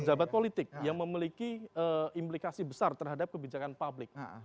pejabat politik yang memiliki implikasi besar terhadap kebijakan publik